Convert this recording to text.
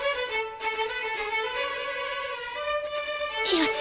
よし！